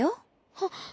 あっ。